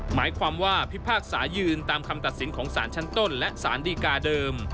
หมายความว่าพิพากษายืนตามคำตัดสินของสารชั้นต้นและสารดีกาเดิม